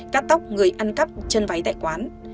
cắt tóc người ăn cắp chân váy tại quán